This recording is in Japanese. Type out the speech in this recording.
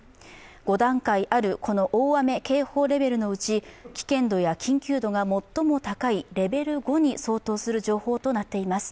５段階ある大雨警報レベルのうち危険度や緊急度が最も高いレベル５に相当する情報となっています。